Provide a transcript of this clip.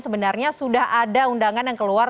sebenarnya sudah ada undangan yang keluar